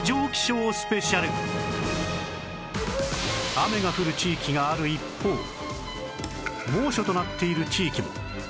雨が降る地域がある一方猛暑となっている地域も